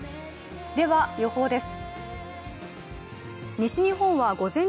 では予報です。